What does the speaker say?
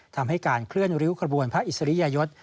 ทำให้การเคลื่อนริ้วขบวนพระอิสริยยศ